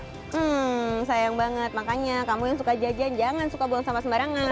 hmm sayang banget makanya kamu yang suka jajan jangan suka buang sampah sembarangan